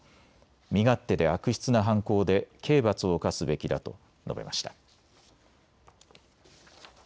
身勝手で悪質な犯行で刑罰を科すべきだと述べました。